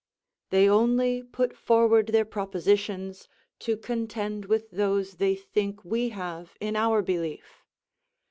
They only put forward their propositions to contend with those they think we have in our belief.